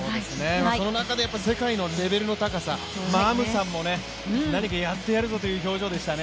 その中で世界のレベルの高さ、アムサンもやってやるぞという表情でしたね。